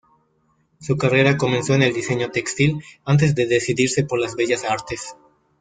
Su carrera comenzó en el diseño textil antes de decidirse por las bellas artes.